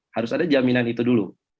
harus ada jaminan itu dulu